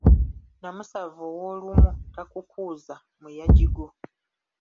Namusava ow’olumu takukuuza muyaji gwo.